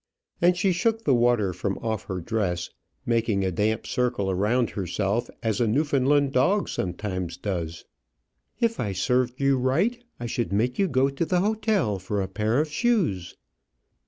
And she shook the water from off her dress, making a damp circle around herself as a Newfoundland dog sometimes does. "If I served you right, I should make you go to the hotel for a pair of shoes."